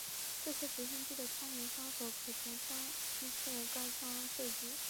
这些直升机的舱门机枪手可从机舱操作该机枪射击。